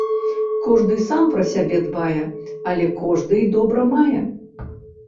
Кожны сам пра сябе дбае, але кожны й добра мае.